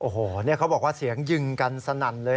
โอ้โหนี่เขาบอกว่าเสียงยิงกันสนั่นเลย